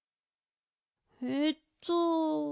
えっと。